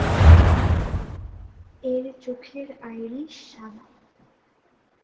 এর চোখের আইরিশ সাদা।